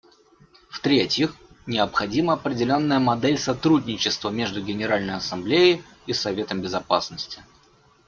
Втретьих, необходима определенная модель сотрудничества между Генеральной Ассамблеей и Советом Безопасности.